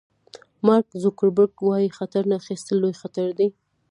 مارک زوګربرګ وایي خطر نه اخیستل لوی خطر دی.